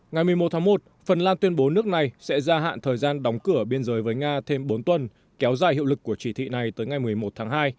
ngày một mươi một tháng một phần lan tuyên bố nước này sẽ gia hạn thời gian đóng cửa biên giới với nga thêm bốn tuần kéo dài hiệu lực của chỉ thị này tới ngày một mươi một tháng hai